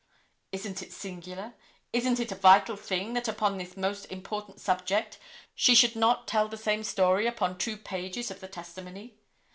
Isn't it singular, isn't it a vital thing that upon this most important subject she should not tell the same story upon two pages of the testimony.